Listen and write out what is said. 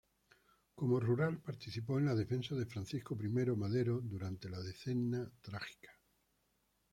Como rural participó en la defensa de Francisco I. Madero durante la Decena Trágica.